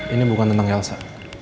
ini bukan tentang elsa